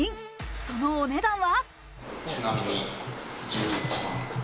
そのお値段は。